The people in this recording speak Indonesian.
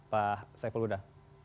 pak saiful uda